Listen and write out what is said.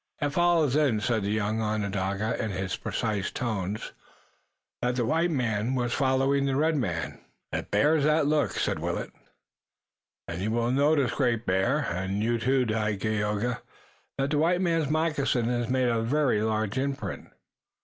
"It follows, then," said the young Onondaga, in his precise tones, "that the white man was following the red men." "It bears that look." "And you will notice, Great Bear, and you, too, Dagaeoga, that the white man's moccasin has made a very large imprint.